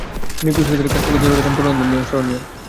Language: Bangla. তিনি ক্রুসেডারদের কাছ থেকে জেরুসালেম পুনরুদ্ধারের জন্য স্মরণীয়।